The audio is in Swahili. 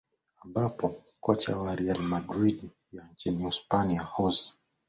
ambapo kocha wa real madrid ya nchini uspania hose